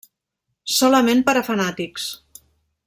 Solament per a fanàtics.